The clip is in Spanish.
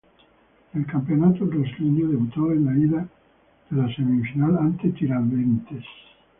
En el campeonato brasileño debutó en la ida de la semifinal ante Tiradentes.